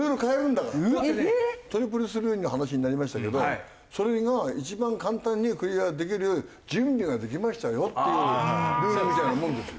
トリプルスリーの話になりましたけどそれが一番簡単にクリアできる準備ができましたよっていうようなルールみたいなもんですよ